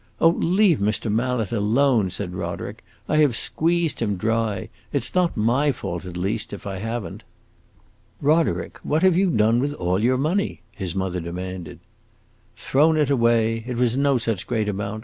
"Oh, leave Mr. Mallet alone!" said Roderick. "I have squeezed him dry; it 's not my fault, at least, if I have n't!" "Roderick, what have you done with all your money?" his mother demanded. "Thrown it away! It was no such great amount.